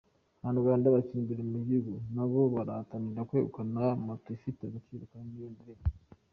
Abanyarwanda bakina imbere mu gihugu, nabo barahatanira kwegukana moto ifite agaciro ka Milioni irenga.